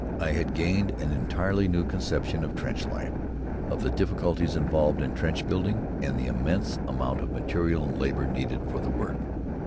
I had gained an entirely new conception of trench life, of the difficulties involved in trench building, and the immense amount of material and labor needed for the work.